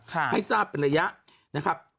ให้ทราบเป็นระยะนะครับ